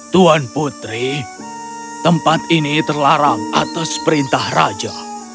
tuan putri tempat ini terlarang atas perintah raja